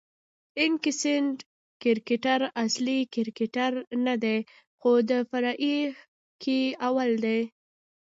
انټکنیسټ کرکټراصلي کرکټرنه دئ، خو د فرعي کښي اول دئ.